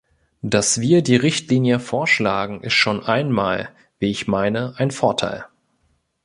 Dass wir die Richtlinie vorschlagen, ist schon einmal, wie ich meine, ein Vorteil.